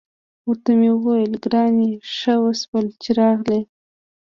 ورته مې وویل: ګرانې، ښه وشول چې راغلې.